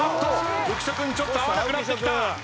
浮所君ちょっと合わなくなってきた。